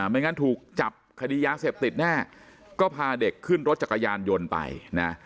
ไม่งั้นถูกจับคดียาเสพติดแน่ก็พาเด็กขึ้นรถจักรยานยนต์ไปนะ